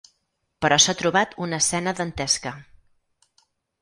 Però s’ha trobat una escena dantesca.